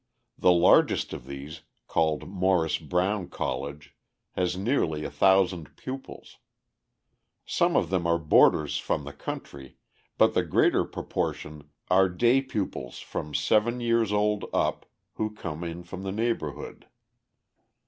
The largest of these, called Morris Brown College, has nearly 1,000 pupils. Some of them are boarders from the country, but the greater proportion are day pupils from seven years old up who come in from the neighbourhood.